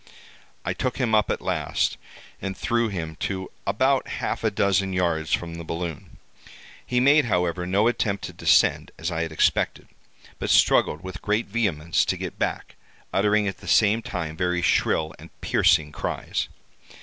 I took him up at last, and threw him to about half a dozen yards from the balloon. He made, however, no attempt to descend as I had expected, but struggled with great vehemence to get back, uttering at the same time very shrill and piercing cries.